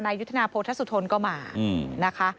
นายยุทธนาโพทัศุทนก็มานะคะ